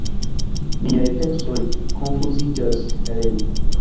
Miaj pensoj konfuziĝas, Heleno.